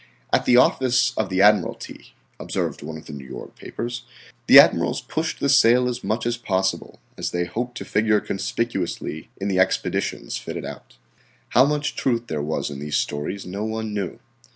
"At the office of the Admiralty," observed one of the New York papers, "the Admirals pushed the sale as much as possible, as they hoped to figure conspicuously in the expeditions fitted out." How much truth there was in these stories no one knew.